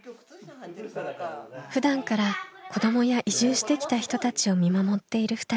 ふだんから子どもや移住してきた人たちを見守っている２人。